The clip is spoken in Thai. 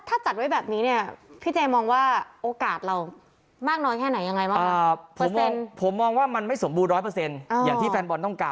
ถ้าจัดไว้แบบนี้เนี่ยพี่เจมส์มองว่าโอกาสเรา